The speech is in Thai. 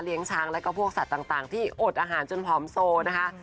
ช้างแล้วก็พวกสัตว์ต่างที่อดอาหารจนผอมโซนะคะ